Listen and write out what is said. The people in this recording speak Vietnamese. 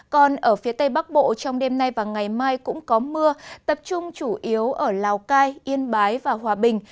còn ở phía tây bắc bộ trong đêm nay và ngày mai cũng có mưa tập trung chủ yếu ở lào cai yên bái và hòa bình